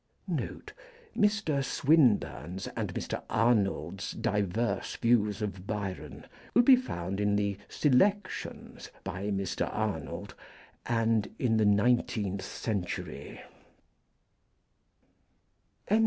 Note Mr. Swlnburne's and Mr. Arnold's diverse views of Byron will be found in the Selections by Mr. Arnold and in the Nineteenth Century.